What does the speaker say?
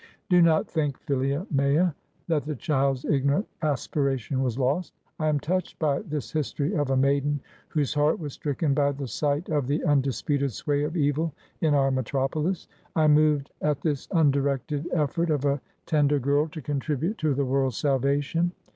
Do not think, Jilia mea^ that the child's ignorant aspiration was lost. I am touched by this history of a maiden whose heart was stricken by the sight of the undisputed sway of evil in our metropolis. I am moved at this undirected effort of a tender girl to contribute to the world's salvation.